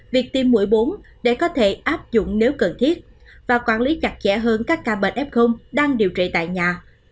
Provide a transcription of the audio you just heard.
việc tiêm mũi bốn để có thể áp dụng nếu cần thiết và quản lý chặt chẽ hơn các ca bệnh f đang điều trị tại nhà